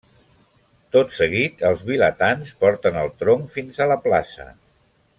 Tot seguit, els vilatans porten el tronc fins a la plaça.